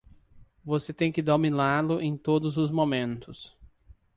Você tem que dominá-lo em todos os momentos.